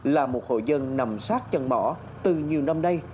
là một hộ dân nằm sát chân mỏ từ nhiều năm nay